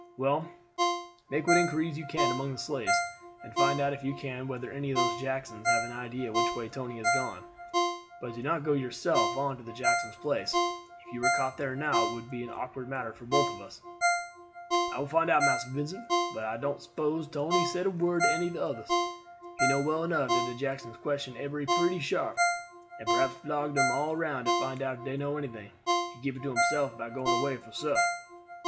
Well, make what inquiries you can among the slaves, and find out if you can whether any of those Jacksons have an idea which way Tony has gone. But do not go yourself on to Jackson's place; if you were caught there now it would be an awkward matter for both of us." "I will find out, Massa Vincent; but I don't s'pose Tony said a word to any of the others. He know well enough dat de Jacksons question ebery one pretty sharp, and perhaps flog dem all round to find out if dey know anything. He keep it to himself about going away for suah."